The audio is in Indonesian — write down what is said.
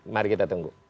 mari kita tunggu